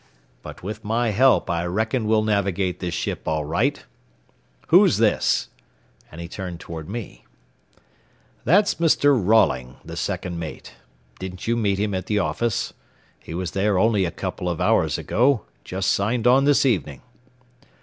But with my help I reckon we'll navigate this ship all right. Who's this?" and he turned toward me. "That's Mr. Rolling, the second mate. Didn't you meet him at the office? He was there only a couple of hours ago. Just signed on this evening."